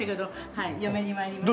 はい嫁に参りました。